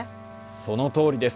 そのとおりです。